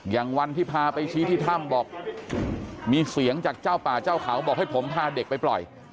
อย่างวันที่พาไปชี้ที่ถ้ำบอกมีเสียงจากเจ้าป่าเจ้าเขาบอกให้ผมพาเด็กไปปล่อย